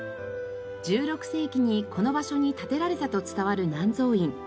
１６世紀にこの場所に建てられたと伝わる南蔵院。